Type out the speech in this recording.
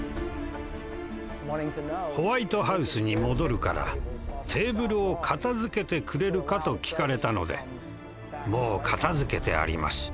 ホワイトハウスに戻るからテーブルを片づけてくれるかと聞かれたので「もう片づけてあります。